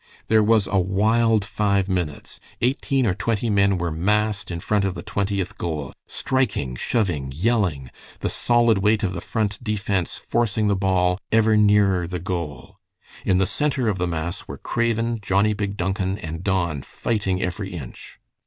There was a wild five minutes. Eighteen or twenty men were massed in front of the Twentieth goal, striking, shoving, yelling, the solid weight of the Front defense forcing the ball ever nearer the goal. In the center of the mass were Craven, Johnnie Big Duncan, and Don fighting every inch.